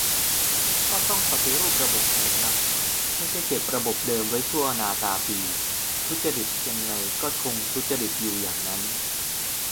ก็ต้องปฏิรูประบบไงครับ ไม่ใช่เก็บระบบเดิมไว้ชั่วนาตาปี ทุจริตยังไงก็คงทุจริตอยู่อย่างนั้น